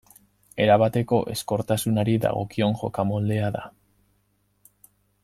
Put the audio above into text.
Erabateko ezkortasunari dagokion jokamoldea da.